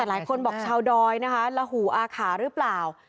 หลายคนบอกชาวดอยนะคะระหูอาขาหรือเปล่า